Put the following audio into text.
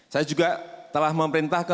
saya juga telah memerintahkan